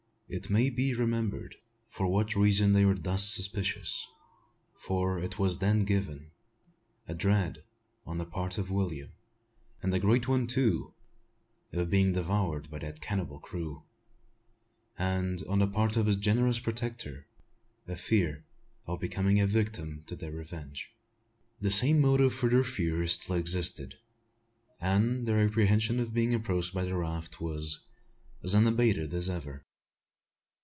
It may be remembered for what reason they were thus suspicious, for it was then given, a dread on the part of William and a great one, too of being devoured by that cannibal crew; and on the part of his generous protector a fear of becoming a victim to their revenge. The same motive for their fears still existed; and their apprehension of being approached by the raft was as unabated as ever.